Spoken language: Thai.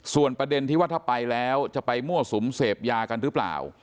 ส่วนประเด็นที่ว่าถ้าไปแล้วจะไปมั่วสุมเสพยากันหรือเปล่า